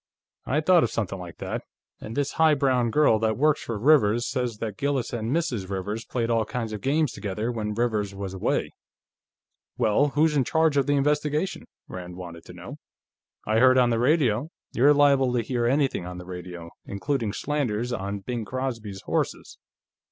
"I thought of something like that. And this high brown girl that works for Rivers says that Gillis and Mrs. Rivers played all kinds of games together, when Rivers was away." "Well, who's in charge of the investigation?" Rand wanted to know. "I heard, on the radio ..." "You're liable to hear anything on the radio, including slanders on Bing Crosby's horses.